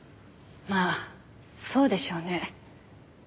まあそうでしょうね。